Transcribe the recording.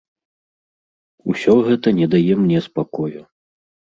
Усё гэта не дае мне спакою.